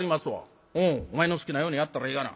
「お前の好きなようにやったらええがな」。